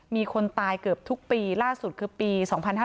มีคนตายเกือบทุกปีล่าสุดคือปี๒๕๕๙